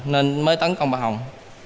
nên mới tấn công bà hồng